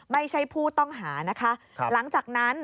ไม่ใช่ผู้ต้องหารึลงจากนั้น